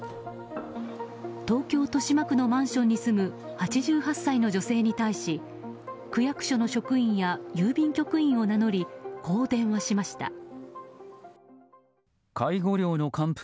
東京・豊島区のマンションに住む８８歳の女性に対し区役所の職員や郵便局員を名乗りこう電話しました。